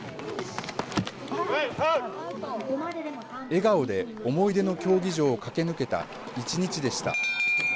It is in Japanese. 笑顔で思い出の競技場を駆け抜けた一日でした。